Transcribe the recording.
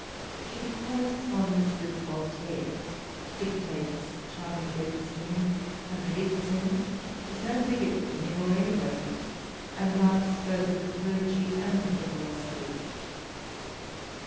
She corresponds with Voltaire, dictates charming letters to him, contradicts him, is no bigot to him or anybody, and laughs both at the clergy and the philosophers.